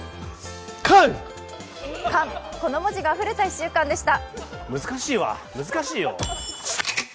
この文字があふれた１週間でした。